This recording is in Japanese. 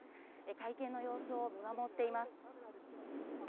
会見の様子を見守っています。